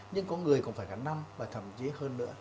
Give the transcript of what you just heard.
nhưng có người cũng phải gắn năm và thậm chí hơn nữa